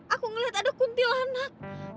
aku ngeliat ada kuntilanak